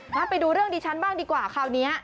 ไปดูเรื่องดิฉันบ้างดีกว่าคราวนี้